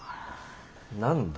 何だ？